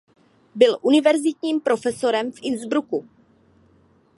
Byl univerzitním profesorem v Innsbrucku.